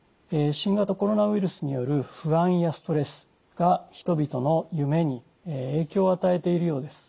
新型コロナウイルスによる不安やストレスが人々の夢に影響を与えているようです。